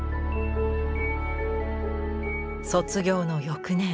卒業の翌年。